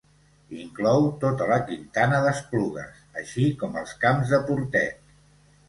Inclou tota la Quintana d'Esplugues, així com els Camps de Portet.